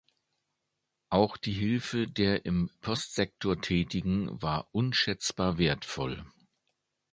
Auch die Hilfe der im Postsektor Tätigen war unschätzbar wertvoll.